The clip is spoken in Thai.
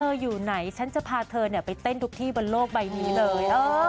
อยู่ไหนฉันจะพาเธอไปเต้นทุกที่บนโลกใบนี้เลย